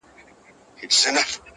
o ژوند پکي اور دی. آتشستان دی.